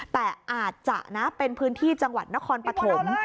แต่อาจจะนะเป็นพื้นที่จังหวัดนครปฐม